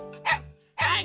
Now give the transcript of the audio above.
はい！